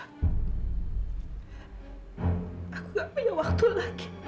aku gak punya waktu lagi